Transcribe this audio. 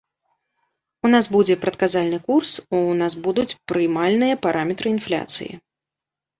У нас будзе прадказальны курс, у нас будуць прыймальныя параметры інфляцыі.